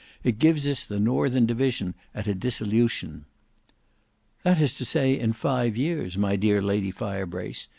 It gives us the northern division at a dissolution." "That is to say in five years, my dear Lady Firebrace.